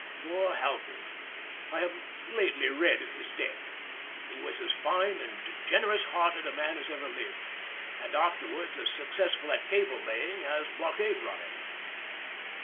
Poor Halpin—I have lately read of his death—he was as fine and generous hearted a man as ever lived, and was afterwards as successful at cable laying as blockade running.